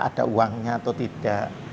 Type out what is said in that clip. ada uangnya atau tidak